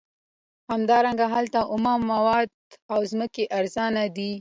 همدارنګه هلته اومه مواد او ځمکه ارزانه ده